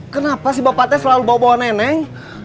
kenapa si bapak te selalu bawa bawa neneng